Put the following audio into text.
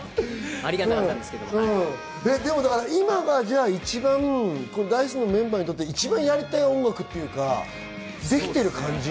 今が一番Ｄａ−ｉＣＥのメンバーにとってやりたい音楽というか、できてる感じ？